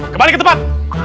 kembali ke tempat